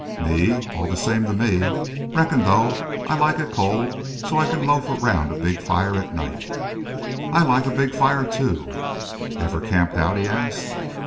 "Me? All the same to me. Reckon, though, I like it cold so I can loaf round a big fire at night." "I like a big fire, too." "Ever camped out?" he asked.